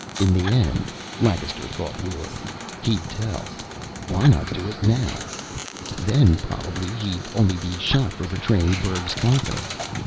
In the end, Lancaster thought wearily, he'd tell. Why not do it now? Then probably he'd only be shot for betraying Berg's confidence.